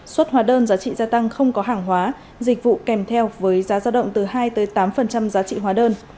xuất hóa đơn giá trị gia tăng không có hàng hóa dịch vụ kèm theo với giá giao động từ hai tám giá trị hóa đơn